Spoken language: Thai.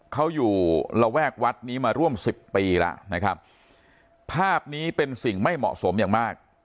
เขาอยู่ระแวกวัดนี้มาร่วมสิบปีแล้วนะครับภาพนี้เป็นสิ่งไม่เหมาะสมอย่างมาก